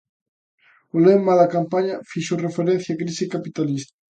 O lema da campaña fixo referencia á crise capitalista.